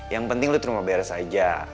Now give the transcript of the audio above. yang penting lo cuma beres aja